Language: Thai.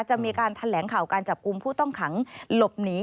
จะมีการแถลงข่าวการจับกลุ่มผู้ต้องขังหลบหนี